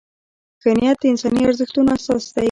ښه نیت د انساني ارزښتونو اساس دی.